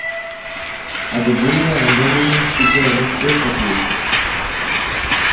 აგებულია რამდენიმე ჰიდროელექტროსადგური.